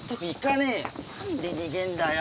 なんで逃げんだよ！